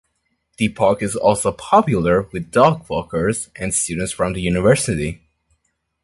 The park is also popular with dog-walkers, and students from the university.